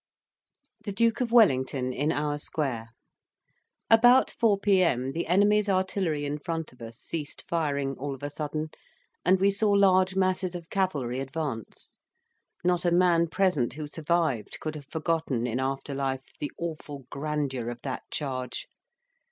THE DUKE OF WELLINGTON IN OUR SQUARE About four P.M. the enemy's artillery in front of us ceased firing all of a sudden, and we saw large masses of cavalry advance: not a man present who survived could have forgotten in after life the awful grandeur of that charge.